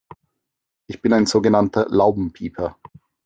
Ich bin ein sogenannter Laubenpieper.